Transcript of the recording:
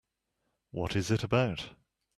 What is it about?